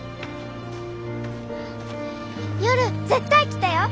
夜絶対来てよ！